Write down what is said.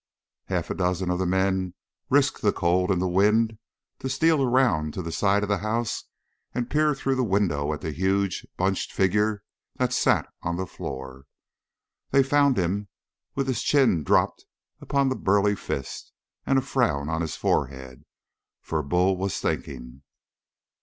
Half a dozen of the men risked the cold and the wind to steal around to the side of the house and peer through the window at the huge, bunched figure that sat on the floor. They found him with his chin dropped upon the burly fist and a frown on his forehead, for Bull was thinking.